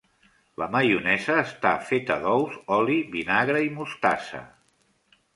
La maionesa està feta d'ous, oli, vinagre i mostassa.